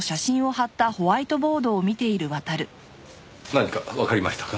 何かわかりましたか？